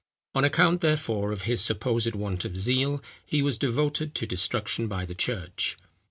On account, therefore, of his supposed want of zeal, he was devoted to destruction by the church.